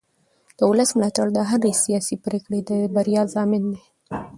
د ولس ملاتړ د هرې سیاسي پرېکړې د بریا ضامن دی